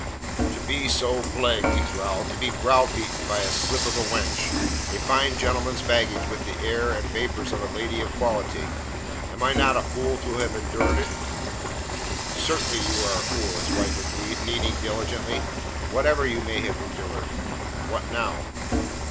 "To be so plagued," he growled. "To be browbeaten by a slip of a wench a fine gentleman's baggage with the airs and vapours of a lady of quality. Am I not a fool to have endured it?" "Certainly you are a fool," his wife agreed, kneading diligently, "whatever you may have endured. What now?"